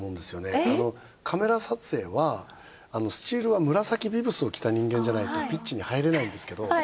カメラ撮影はスチールは紫ビブスを着た人間じゃないとピッチに入れないんですけど。